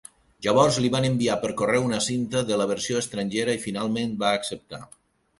Llavors li van enviar per correu una cinta de la versió estrangera i finalment va acceptar.